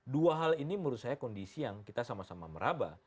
dua hal ini menurut saya kondisi yang kita sama sama meraba